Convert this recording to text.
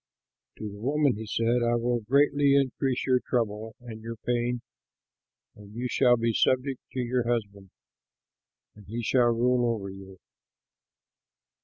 To the woman he said, "I will greatly increase your trouble and your pain, and you shall be subject to your husband, and he shall rule over you."